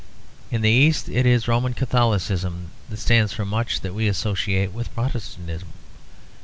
In the East it is Roman Catholicism that stands for much that we associate with Protestantism.